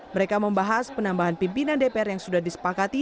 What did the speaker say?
mereka membahas penambahan pimpinan dpr yang sudah disepakati